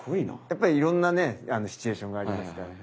やっぱりいろんなねシチュエーションがありますからね。